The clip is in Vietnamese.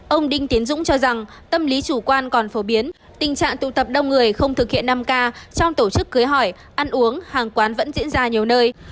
ông đinh tiến dũng cho rằng tâm lý chủ quan còn phổ biến tình trạng tụ tập đông người không thực hiện năm k trong tổ chức cưới hỏi ăn uống hàng quán vẫn diễn ra nhiều nơi